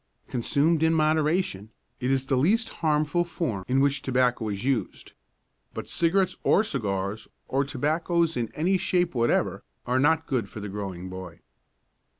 Consumed in moderation, it is the least harmful form in which tobacco is used. But cigarettes or cigars, or tobaccos in any shape whatever, are not good for the growing boy.